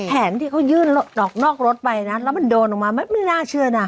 แผนที่เขายื่นออกนอกรถไปนะแล้วมันโดนออกมาไม่น่าเชื่อนะ